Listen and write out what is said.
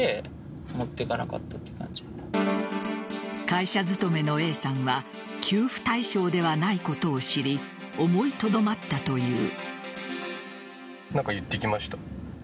会社勤めのＡさんは給付対象ではないことを知り思いとどまったという。